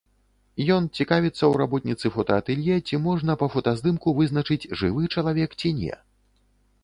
Ён цікавіцца ў работніцы фотаатэлье, ці можна па фотаздымку вызначыць, жывы чалавек ці не.